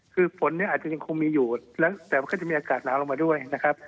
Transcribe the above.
คือฝนเนี่ยอาจจะยังคงมีอยู่แล้วแต่มันก็จะมีอากาศหนาวลงมาด้วยนะครับ